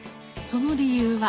その理由は。